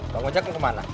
bang ojek mau kemana